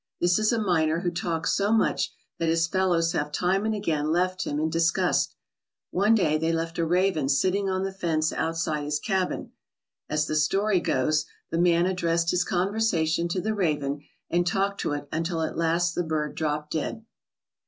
This is a miner who talks so much that his fellows have time and again left him in dis gust. One day they left a raven sitting on the fence out side his cabin. As the story goes, the man addressed his conversation to the raven and talked to it until at last the bird dropped dead.